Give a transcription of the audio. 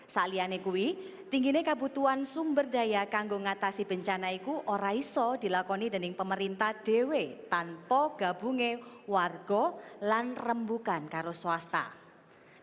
sebaliknya kita ingin membutuhkan sumber daya untuk mengatasi bencana itu dengan baik dengan pemerintah pemerintah tanpa gabung warga dan rembukan kewajiban